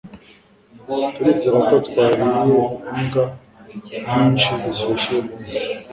Turizera ko twariye imbwa nyinshi zishyushye uyumunsi